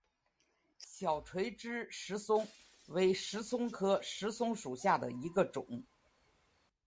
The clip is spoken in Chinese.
小垂枝石松为石松科石松属下的一个种。